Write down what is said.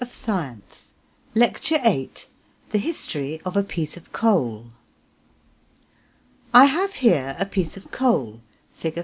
Week 22 LECTURE VIII THE HISTORY OF A PIECE OF COAL I have here a piece of coal (Fig.